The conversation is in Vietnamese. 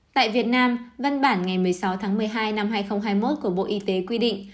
tại việt nam văn bản ngày một mươi sáu tháng một mươi hai năm hai nghìn hai mươi một của bộ y tế quy định